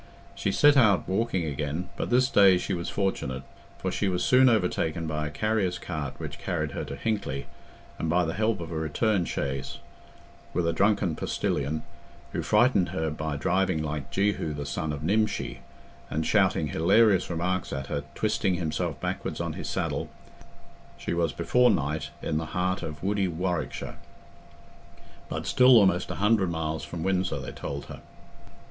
She set out walking again; but this day she was fortunate, for she was soon overtaken by a carrier's cart which carried her to Hinckley, and by the help of a return chaise, with a drunken postilion—who frightened her by driving like Jehu the son of Nimshi, and shouting hilarious remarks at her, twisting himself backwards on his saddle—she was before night in the heart of woody Warwickshire: but still almost a hundred miles from Windsor, they told her.